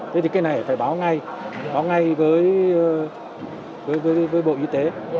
thế thì cái này phải báo ngay báo ngay với bộ y tế